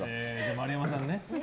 丸山さんね。